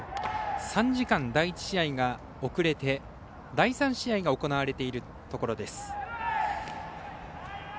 ３時間、第１試合が遅れて第３試合が行われているところです。